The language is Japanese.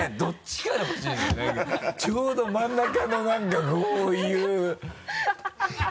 ちょうど真ん中の何かこういう